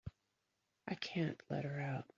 I can't let her out.